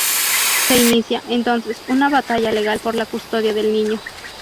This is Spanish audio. Se inicia, entonces una batalla legal por la custodia del niño.